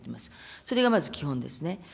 それがまず基本ですね。